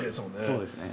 そうですね。